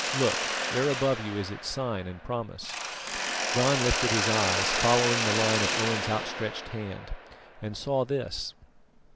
Look! there above you is its sign and promise." John lifted his eyes, following the line of Owen's outstretched hand, and saw this.